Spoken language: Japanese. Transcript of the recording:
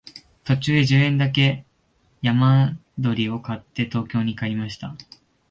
途中で十円だけ山鳥を買って東京に帰りました